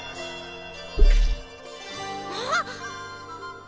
あっ！